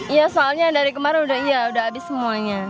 iya soalnya dari kemarin udah abis semuanya